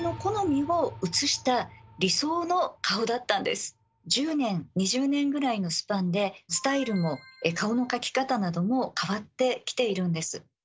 では１０年２０年ぐらいのスパンでスタイルも顔の描き方なども変わってきているんです。